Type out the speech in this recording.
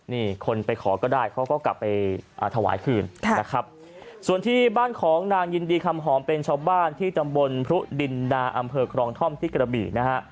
นี่คนไปขอก็ได้เขาก็กลับไปถวายคืนนะครับส่วนที่บ้านของนางยินดีคำหอมเป็นชาวบ้านที่ตำบลพรุดินนาอำเภอครองท่อมที่กระบี่นะฮะ